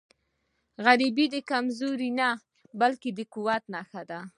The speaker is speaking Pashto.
غریب د کمزورۍ نه، بلکې د قوت نښه ده